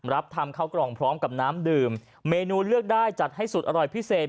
รับทำข้าวกล่องพร้อมกับน้ำดื่มเมนูเลือกได้จัดให้สุดอร่อยพิเศษ